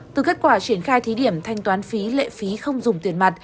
từ kết quả triển khai thí điểm thanh toán phí lệ phí không dùng tiền mặt